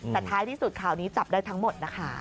แต่ท้ายที่สุดข่าวนี้จับได้ทั้งหมดนะคะ